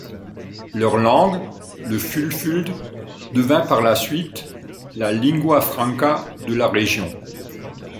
Leur langue, le fulfulde devint par la suite, la lingua franca de la région.